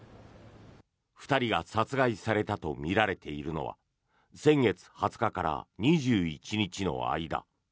２人が殺害されたとみられているのは先月２０日から２１日の間。